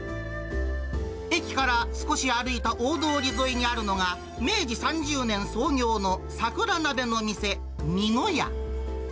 駅から少し歩いた大通り沿いにあるのが、明治３０年創業の桜なべの店、みの家。